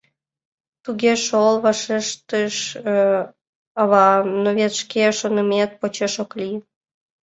— Туге шол, — вашештыш ава, — но вет шке шонымет почеш ок лий.